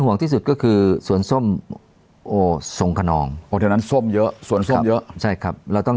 หวังที่สุดก็คือสวนส้มอสงครอง